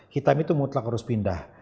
hitam itu mutlak harus pindah